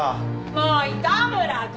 もう糸村くん